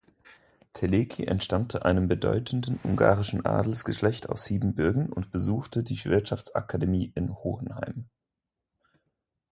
Teleki entstammte einem bedeutenden ungarischen Adelsgeschlecht aus Siebenbürgen und besuchte die Wirtschaftsakademie in Hohenheim.